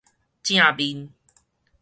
正面